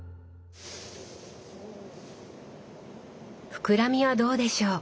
膨らみはどうでしょう？